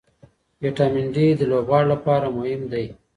ویټامن ډي د لوبغاړو لپاره مهم دی.